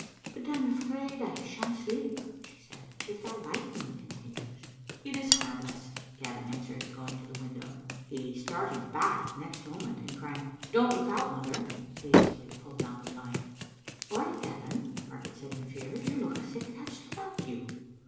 "But I am afraid I shan't sleep," she said, "if that lightning continues." '■"• Digitized by VjOOQIC ibargarct. IM It is harmless," Gavin answered, going to the win dow. He started back next moment, and crying, *' Don't look out, mother," hastily pulled down the blind. "Why, Gavin," Margaret said in fear, "you look as if it had struck you."